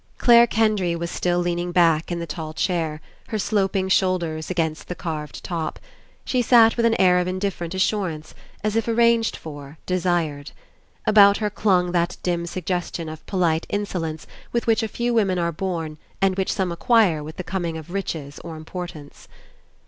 Clare Kendry was still leaning back in the tall chair, her sloping shoulders against 44 ENCOUNTER the carved top. She sat with an air of indif ferent assurance, as if arranged for, desired. About her clung that dim suggestion of polite insolence with which a few women are born and which some acquire with the coming of riches or importance.